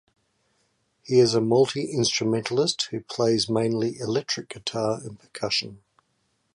He is a multi-instrumentalist who plays mainly electric guitar and percussion.